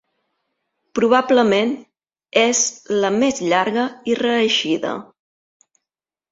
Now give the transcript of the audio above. Probablement és la més llarga i reeixida.